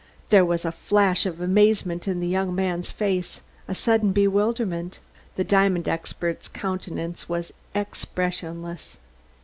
There was a flash of amazement in the young man's face, a sudden bewilderment; the diamond expert's countenance was expressionless.